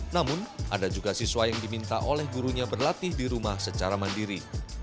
namun ada juga siswa yang diminta oleh gurunya berlatih di rumah secara mandiri